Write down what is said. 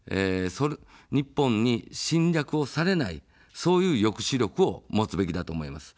日本に侵略をされない、そういう抑止力を持つべきだと思います。